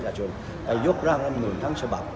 แต่ยกร่างร่างมือทั้งฉบับ